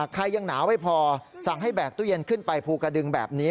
ใครยังหนาวไม่พอสั่งให้แบกตู้เย็นขึ้นไปภูกระดึงแบบนี้